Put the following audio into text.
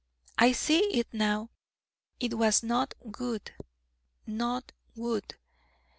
I see it now it was 'not good,' 'not good.'